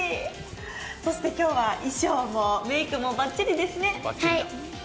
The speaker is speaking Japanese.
そして今日は衣装もメークもばっちりですね。